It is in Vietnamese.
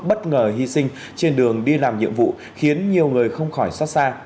bất ngờ hy sinh trên đường đi làm nhiệm vụ khiến nhiều người không khỏi xót xa